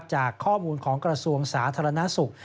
จากข้อมูลของกระทรวงสาธารณสุข